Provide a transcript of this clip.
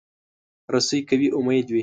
رسۍ که وي، امید وي.